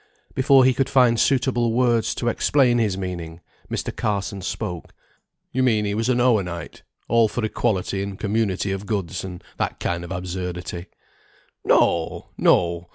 Before he could find suitable words to explain his meaning, Mr. Carson spoke. "You mean he was an Owenite; all for equality and community of goods, and that kind of absurdity." "No, no!